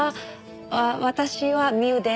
私はミウです。